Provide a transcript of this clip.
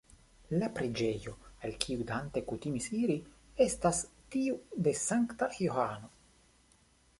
La preĝejo, al kiu Dante kutimis iri, estas tiu de Sankta Johano.